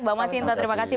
mbak masinta terima kasih